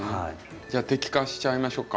じゃあ摘果しちゃいましょうか。